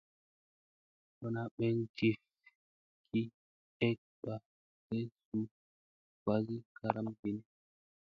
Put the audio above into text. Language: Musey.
Lona ɓeŋ jiffa ki ek ɓa slena suu wazi karam wini.